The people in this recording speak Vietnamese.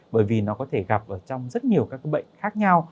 bởi vì nó có thể gặp ở trong rất nhiều các bệnh khác nhau